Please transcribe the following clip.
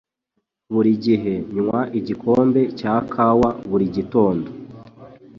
Buri gihe nywa igikombe cya kawa buri gitondo.